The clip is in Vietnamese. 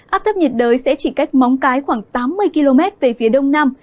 áp thấp nhiệt đới sẽ chỉ cách móng cái khoảng tám mươi km về phía đông nam